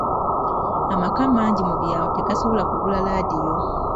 Amaka mangi mu byalo tegasobola kugula laadiyo.